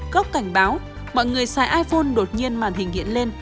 góc cảnh báo mọi người xài iphone đột nhiên màn hình hiện lên